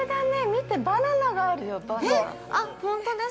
見て、バナナがあるよ、バナナ。